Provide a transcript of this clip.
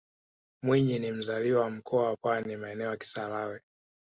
mwinyi ni mzalia wa mkoa wa pwani maeneo ya kisarawe